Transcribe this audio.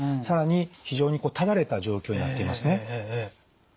更に非常にただれた状況になっていますね。